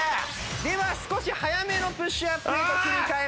では少し速めのプッシュアップへと切り替えます。